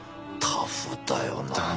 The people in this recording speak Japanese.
タフだよな。